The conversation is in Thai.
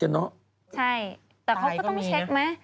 ใช่แต่เขาก็ต้องเช็คไหม